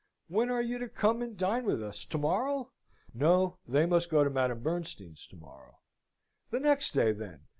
"When are you to come and dine with us? To morrow?" No, they must go to Madame Bernstein's to morrow. The next day, then?